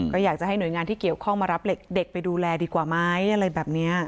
ก็อยากจะให้หน่วยงานที่เกี่ยวข้องมารับเด็กไปดูแลดีกว่าไหมอะไรแบบนี้